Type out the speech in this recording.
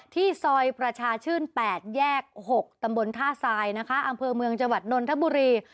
ที่ซอยประชาชื่น๘แยก๖ตำบลท่าทรายนะคะอำเภอเมืองจังหวัดนนทบุรี